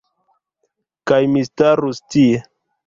Kaj mi starus tie...